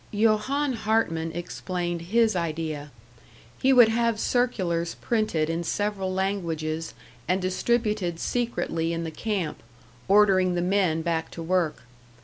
Johann Hartman explained his idea. He would have circulars printed in several languages and distributed secretly in the camp, ordering the men back to work.